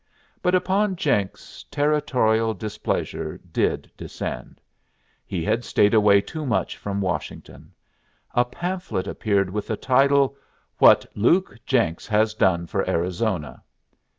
But upon Jenks Territorial displeasure did descend. He had stayed away too much from Washington. A pamphlet appeared with the title, "What Luke Jenks Has Done for Arizona."